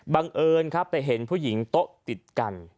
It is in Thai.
บังเอิญครับไปเห็นผู้หญิงโต๊ะติดกัน